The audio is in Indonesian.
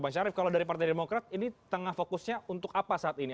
bang syarif kalau dari partai demokrat ini tengah fokusnya untuk apa saat ini